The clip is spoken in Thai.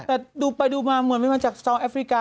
แต่ดูไปดูมาเหมือนมันมาจากซอลแอฟริกา